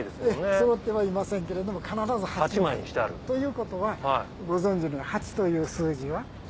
そろってはいませんけれども必ず８枚。ということはご存じのように「８」という数字は？